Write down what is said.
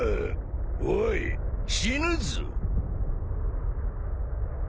おい死ぬぞ。